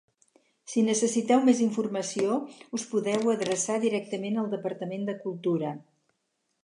Si necessiteu més informació, us podeu adreçar directament al Departament de Cultura.